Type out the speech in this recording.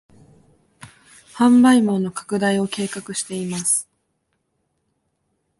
販売網の拡大を計画しています